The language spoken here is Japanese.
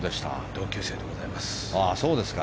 同級生でございます。